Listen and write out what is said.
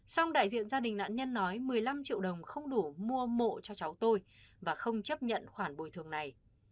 xong đại diện gia đình nạn nhân nói một mươi năm triệu đồng không đủ mua mộ cho cháu tôi và không chấp nhận khoản bồi thường này